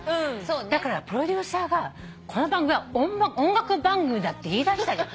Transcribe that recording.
だからプロデューサーがこの番組は音楽番組だって言いだしたじゃん。